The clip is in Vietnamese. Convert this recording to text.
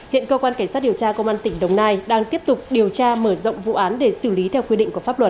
hiện cơ quan cảnh sát điều tra công an tỉnh đồng nai đang tiếp tục điều tra mở rộng vụ án để xử lý theo quy định của pháp luật